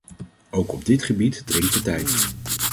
Ook op dit gebied dringt de tijd.